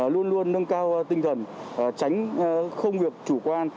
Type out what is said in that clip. luôn luôn nâng cao tinh thần tránh không việc chủ quan